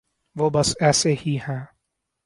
وہ بس ایسے ہی ہیں۔